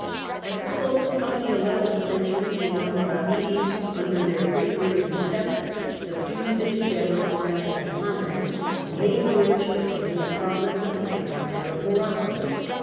At the close of the eleventh century the Almoravides, under their great leader Yusuf, subdued the degenerate Spanish Mohammedans, and made Moorish Spain a province of the Empire of Morocco.